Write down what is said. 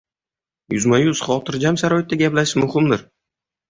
yuzma-yuz, xotirjam sharoitda gaplashish muhimdir.